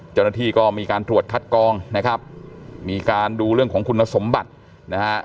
เจ้าหน้าที่ก็มีการตรวจคัดกองนะครับมีการดูเรื่องของคุณสมบัตินะฮะ